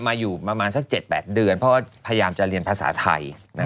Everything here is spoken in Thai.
มาอยู่มามาสักเจ็ดแปดเดือนเพราะว่าพยายามจะเรียนภาษาไทยนะฮะ